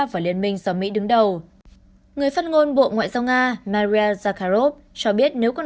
và liên minh do mỹ đứng đầu người phát ngôn bộ ngoại giao nga maria zakharov cho biết nếu con